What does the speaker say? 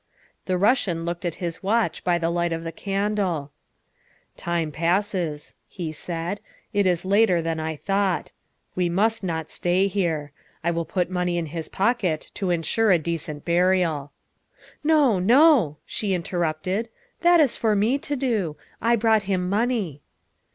The Russian looked at his watch by the light of the candle. " Time passes," he said, " it is later than I thought. We must not stay here. I will put money in his pocket to insure a decent burial." '' No, no, '' she interrupted, '' that is for me to do. I brought him money."